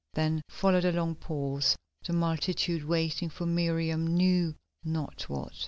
Then followed a long pause, the multitude waiting for Miriam knew not what.